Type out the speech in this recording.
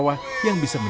jadi gini mas